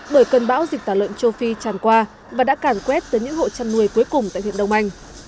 bởi cơn bão dịch tàn lợn châu phi tràn qua và đã cản quét tới những hộ chăn nuôi cuối cùng tại thiện đông anh